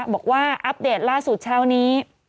บอกว่าอัปเดตล่าสุดเช้านี้